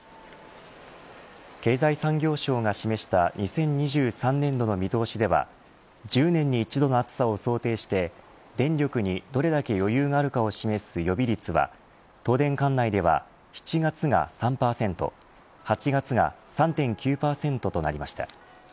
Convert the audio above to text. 経済産業省が示した２０２３年度の見通しでは１０年に１度の暑さを想定して電力にどれだけ余裕があるかを示す予備率は東電管内では７月が３％８月が３．９％となりました。